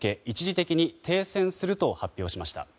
一時的に停戦すると発表しました。